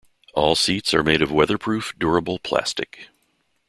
All seats are made of weather-proof durable plastic.